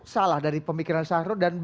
salah dari pemikiran syahrul dan